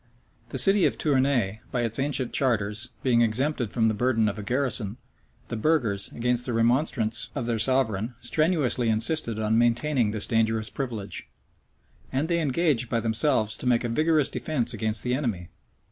The city of Tournay, by its ancient charters, being exempted from the burden of a garrison, the burghers, against the remonstrance of their sovereign, strenuously insisted on maintaining this dangerous privilege; and they engaged, by themselves, to make a vigorous defence against the enemy.